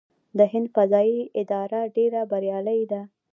د هند فضايي اداره ډیره بریالۍ ده.